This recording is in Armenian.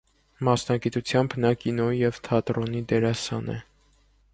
Մասնագիտությամբ նա կինոյի և թատրոնի դերասան է։